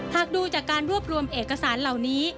หากดูจากการรวบรวมเอกสารเหล่านี้